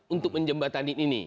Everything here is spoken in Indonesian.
untuk menjembatani ini